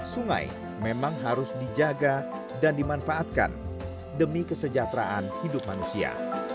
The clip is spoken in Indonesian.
sungai memang harus dijaga dan dimanfaatkan demi kesejahteraan hidup manusia